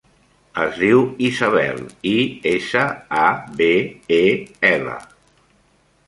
Es diu Isabel: i, essa, a, be, e, ela.